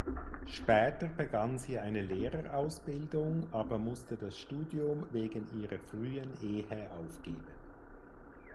Später begann sie eine Lehrerausbildung aber musste das Studium wegen ihrer frühen Ehe aufgeben.